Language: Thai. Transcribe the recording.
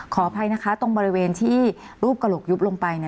ขออภัยนะคะตรงบริเวณที่รูปกระโหลกยุบลงไป